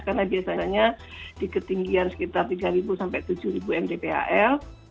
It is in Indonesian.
karena biasanya di ketinggian sekitar tiga sampai tujuh mdpal